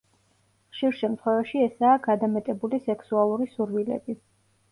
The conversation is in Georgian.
ხშირ შემთხვევაში ესაა გადამეტებული სექსუალური სურვილები.